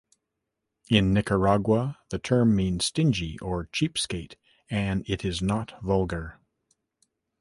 In Nicaragua, the term means "stingy" or "cheapskate" and it is not vulgar.